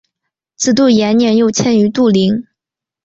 子杜延年又迁于杜陵。